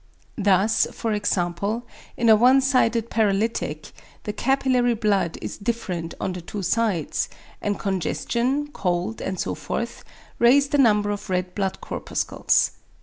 Thus, for example, in a one sided paralytic, the capillary blood is different on the two sides; and congestion, cold, and so forth raise the number of red blood corpuscles.